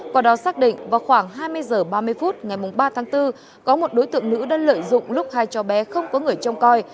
quả đó xác định vào khoảng hai mươi h ba mươi phút ngày ba tháng bốn có một đối tượng nữ đã lợi dụng lúc hai trò bé không có người trông coi